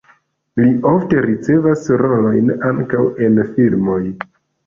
Li ofte ricevas rolojn ankaŭ en filmoj.